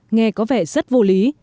nghe có vẻ rất vô lý